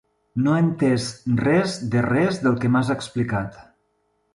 No he entès res de res del que m'has explicat.